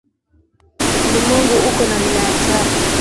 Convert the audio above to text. Ulimwengu uko na wilaya saba.